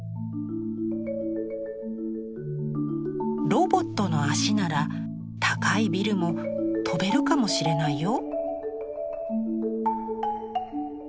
「ロボットの足なら高いビルも飛べるかもしれないよ」。